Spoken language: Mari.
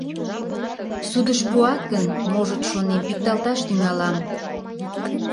Судыш пуат гын, можыт, шонем, пикталташ тӱҥалам.